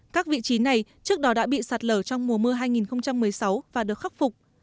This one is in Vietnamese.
các vị trí này trước đó đã bị sạt lở trong mùa mưa hai nghìn một mươi sáu và được khắc phục